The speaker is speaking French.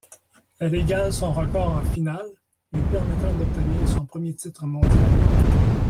Elle égale son record en finale, lui permettant d'obtenir son premier titre mondial.